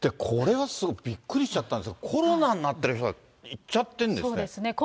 これはすごいびっくりしちゃったんですけど、コロナになってる人、行っちゃってるんですね。